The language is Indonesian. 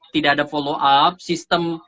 tidak ada follow up sistem